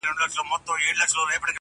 قلم د زلفو يې د هر چا زنده گي ورانوي